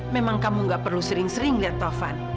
memang kamu nggak perlu sering sering lihat taufan